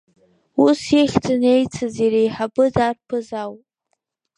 Ус ихьӡын еицыз иреиҳабыз арԥыс ау.